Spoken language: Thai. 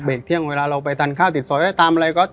เที่ยงเวลาเราไปทานข้าวติดซอยตามอะไรก็